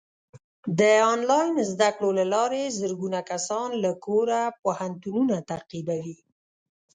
د آنلاین زده کړو له لارې زرګونه کسان له کوره پوهنتونونه تعقیبوي.